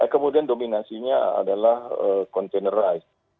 kemudian dominasinya adalah containerized